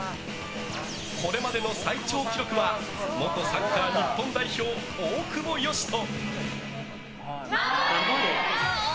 これまでの最長記録は元サッカー日本代表、大久保嘉人。